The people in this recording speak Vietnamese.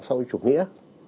sau chủ nghĩa